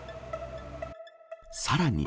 さらに。